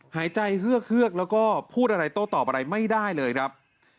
หายใจเฮือกเฮือกแล้วก็พูดอะไรโต้ตอบอะไรไม่ได้เลยครับ